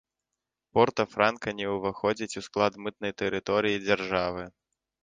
Порта-франка не ўваходзіць у склад мытнай тэрыторыі дзяржавы.